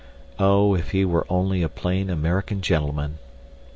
Oh, if he were only a plain American gentleman!